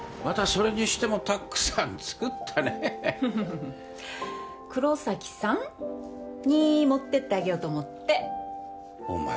それにしてもたくさん作ったねフフフフッ黒崎さん？に持ってってあげようと思ってお前